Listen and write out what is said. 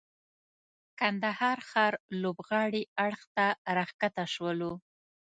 کندهار ښار لوبغالي اړخ ته راکښته سولو.